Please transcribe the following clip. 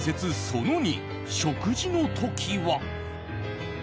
その２、食事の時は。